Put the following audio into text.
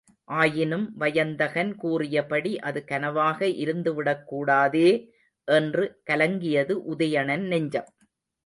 ஆயினும் வயந்தகன் கூறியபடி அது கனவாக இருந்து விடக்கூடாதே! என்று கலங்கியது உதயணன் நெஞ்சம்.